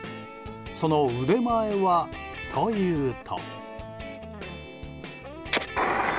その腕前はというと。